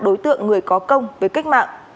đối tượng người có công với cách mạng